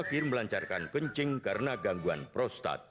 petir melancarkan kencing karena gangguan prostat